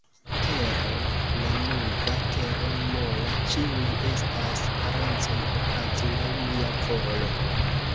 Tero lanuga, tero mola, ĉiuj estas parencoj, okazu laŭ mia volo!